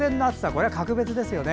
これは格別ですよね。